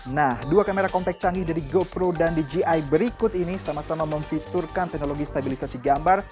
nah dua kamera kompak canggih dari gopro dan dgi berikut ini sama sama memfiturkan teknologi stabilisasi gambar